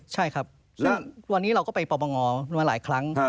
ใช่ครับแล้ววันนี้เราก็ไปปปงมาหลายครั้ง